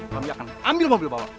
kami akan ambil mobil bawa